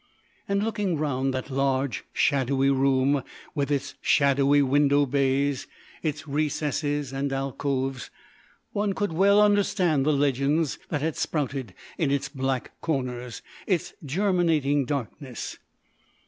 And looking around that large shadowy room, with its shadowy window bays, its recesses and alcoves, one could well understand the legends that had sprouted in its black corners, its germinating darkness.